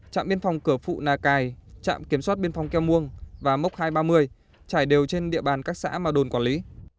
trạm biên phòng cửa phụ nà cài trạm kiểm soát biên phòng keo muông và mốc hai trăm ba mươi trải đều trên địa bàn các xã mà đồn quản lý